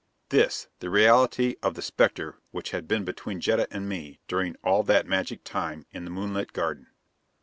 This, the reality of the specter which had been between Jetta and me during all that magic time in the moonlit garden!